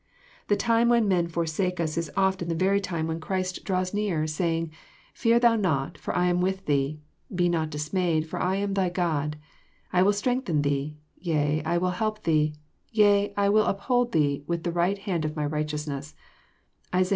The time when men forsake us is often the very time when 162 EXPOSITORY THOUGHTS. Christ draws near, saying, '' P^'ear thou not, for I am with thee: be not dismayed, for I am thy God: I will strengthen thee : yea, I will help thee ; yea, I will nphold thee with the right hand of my righteoasness/' (Isai.